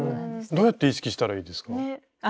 どうやって意識したらいいですか？